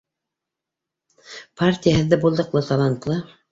Партия һеҙҙе булдыҡлы, талантлы